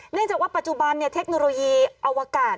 เนื่องจากว่าปัจจุบันเทคโนโลยีอวกาศ